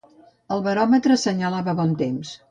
El baròmetre assenyalava bon temps.